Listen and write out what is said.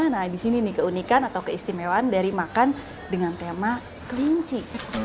nah di sini nih keunikan atau keistimewaan dari makan dengan tema kelinci